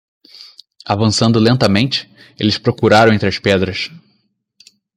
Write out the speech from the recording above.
Avançando lentamente?, eles procuraram entre as pedras.